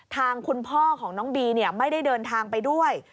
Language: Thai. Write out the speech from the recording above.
ทางคุณพ่อของน้องบีไม่ได้เดินทางไปด้วย